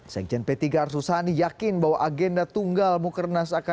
sekjen p tiga arsusani yakin bahwa agenda tunggal mukernas